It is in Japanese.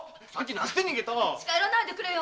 近寄らないでおくれよ